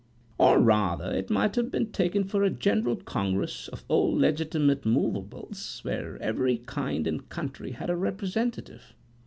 Or rather, it might have been taken for a general congress of old legitimate moveables, where every kind and country had a representative.